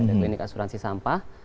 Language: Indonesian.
dan itu ini asuransi sampah